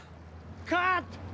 カット！